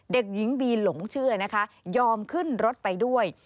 เด็กหญิงบีหลงเชื่อนะคะยอมขึ้นรถไปด้วย